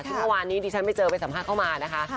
ซึ่งเมื่อวานนี้ดิฉันไปเจอไปสัมภาษณ์เข้ามานะคะ